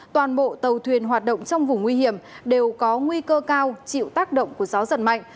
toàn bộ tàu thuyền hoạt động trong vùng nguy hiểm đều có nguy cơ cao chịu tác động của gió giật mạnh